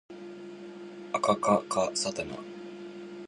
あかかかさたな